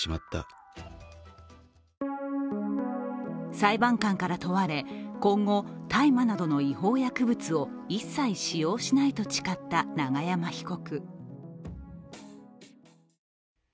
裁判官から問われ今後、大麻などの違法薬物を一切使用しないと誓った永山被告。